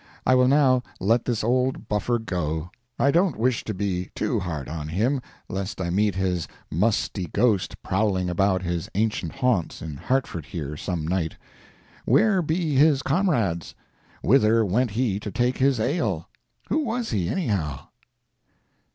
I will now let this old buffer go. I don't wish to be too hard on him, lest I meet his musty ghost prowling about his ancient haunts, in Hartford here, some night. Where be his comrades? Whither went he to take his ale? Who was he, anyhow?